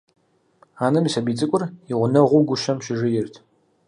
Анэм и сабий цӀыкӀур и гъунэгъуу гущэм щыжейрт.